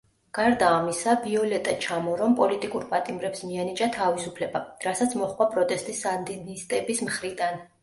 გარდა ამისა, ვიოლეტა ჩამორომ პოლიტიკურ პატიმრებს მიანიჭა თავისუფლება, რასაც მოჰყვა პროტესტი სანდინისტების მხრიდან.